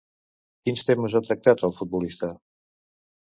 Quins temes ha tractat el futbolista?